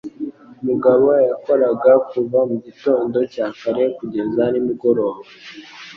Mugabo yakoraga kuva mu gitondo cya kare kugeza nimugoroba.